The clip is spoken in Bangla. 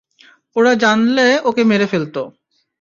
ওরা জানলে ওকে মেরে ফেলত।